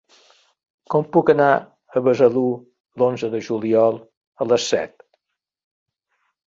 Com puc anar a Besalú l'onze de juliol a les set?